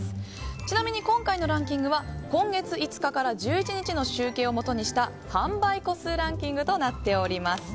ちなみに今回のランキングは今月５日から１１日の集計をもとにした販売個数ランキングとなっています。